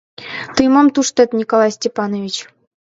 — Тый мом туштет, Николай Степанович?